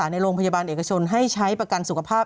ในโรงพยาบาลเอกชนให้ใช้ประกันสุขภาพ